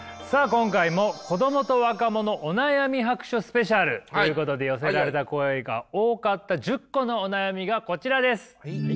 今回も「子どもと若者お悩み白書スペシャル」ということで寄せられた声が多かった１０個のお悩みがこちらです。